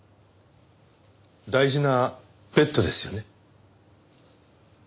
大事なペットですよね？